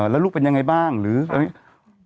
แล้วลูกเป็นยังไงบ้างหรืออะไรอย่างนี้